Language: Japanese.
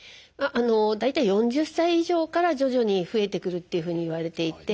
大体４０歳以上から徐々に増えてくるというふうにいわれていて。